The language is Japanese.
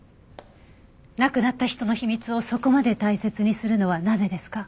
亡くなった人の秘密をそこまで大切にするのはなぜですか？